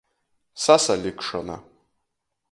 Sasalikšona.